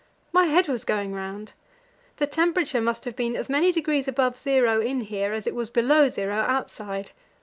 My head was going round; the temperature must have been as many degrees above zero in here as it was below zero outside.